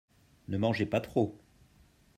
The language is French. Ne mangez pas trop.